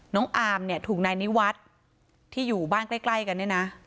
อามเนี่ยถูกนายนิวัฒน์ที่อยู่บ้านใกล้กันเนี่ยนะ